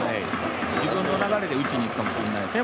自分の流れで打ちにいくかもしれないですね。